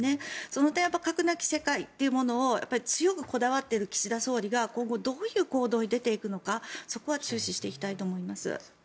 その点、核なき世界というものを強くこだわっている岸田総理が今後どういう行動に出ていくのかそこは注視していきたいと思います。